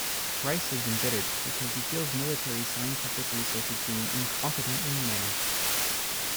Rice is embittered because he feels military scientific research is being incompetently managed.